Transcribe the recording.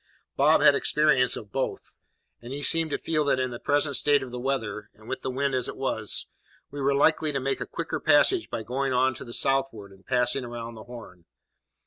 Bob had experience of both; and he seemed to feel that in the present state of the weather, and with the wind as it was, we were likely to make a quicker passage by going on to the southward, and passing round the Horn.